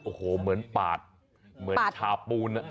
โอ้โหเหมือนปาดเหมือนชาปูน